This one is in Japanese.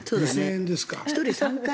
２０００円ですか。